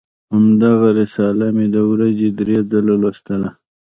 همدغه رساله مې د ورځې درې ځله لوستله.